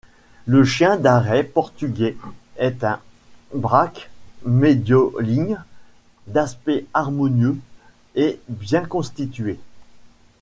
Le chien d'arrêt portugais est un braque médioligne, d'aspect harmonieux et bien constitué.